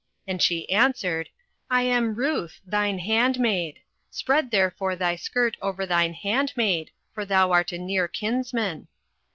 And she answered, I am Ruth thine handmaid: spread therefore thy skirt over thine handmaid; for thou art a near kinsman.